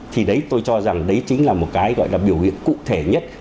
thì đấy tôi cho rằng đấy chính là một cái gọi là biểu hiện cụ thể nhất